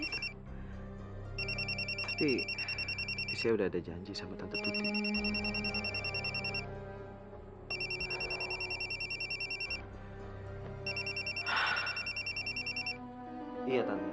hai tapi saya udah ada janji sama tante putih